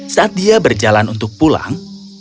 saat dia berjalan untuk pulang